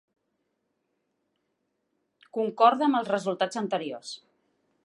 Concorda amb els resultats anteriors.